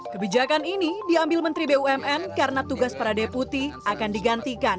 kebijakan ini diambil menteri bumn karena tugas para deputi akan digantikan